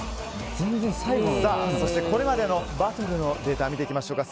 これまでのバトルのデータ見ていきましょうか。